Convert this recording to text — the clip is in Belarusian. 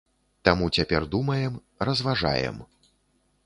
Таму цяпер думаем, разважаем.